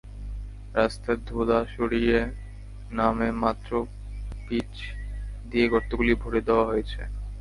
রাস্তায় ধুলা সরিয়ে নামে মাত্র পিচ দিয়ে গর্তগুলি ভরে দেওয়া হয়েছে।